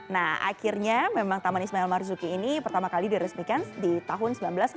nah akhirnya memang taman ismail marzuki ini pertama kali diresmikan di tahun seribu sembilan ratus enam puluh